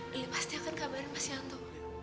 lili pasti akan kabarin mas yanto